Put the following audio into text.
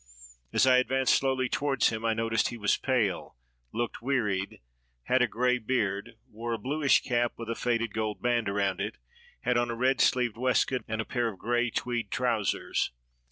As I ad vanced slowly towards him, I noticed he was pale, looked 396 HOW I FOUND LIVINGSTONE wearied, had a gray beard, wore a bluish cap with a faded gold band round it, had on a red sleeved waist coat and a pair of gray tweed trousers.